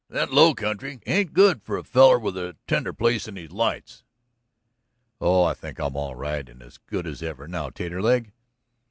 That low country ain't good for a feller with a tender place in his lights." "Oh, I think I'm all right and as good as ever now, Taterleg."